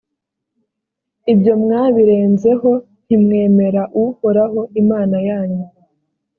ibyo mwabirenzeho ntimwemera uhoraho imana yanyu